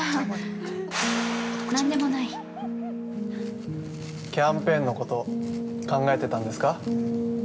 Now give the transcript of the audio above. ◆キャンペーンのこと考えてたんですか。